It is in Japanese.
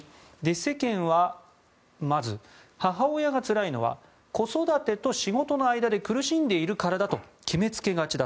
世間はまず母親がつらいのは子育てと仕事の間で苦しんでいるからだと決めつけがち。